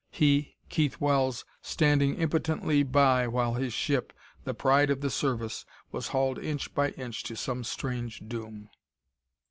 He, Keith Wells, standing impotently by while his ship, the pride of the service, was hauled inch by inch to some strange doom!